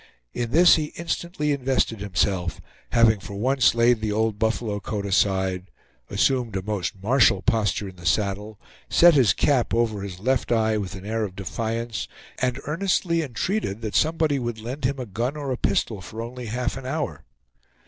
In this he instantly invested himself, having for once laid the old buffalo coat aside, assumed a most martial posture in the saddle, set his cap over his left eye with an air of defiance, and earnestly entreated that somebody would lend him a gun or a pistol only for half an hour.